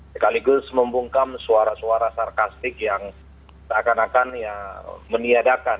sekaligus membungkam suara suara sarkastik yang seakan akan ya meniadakan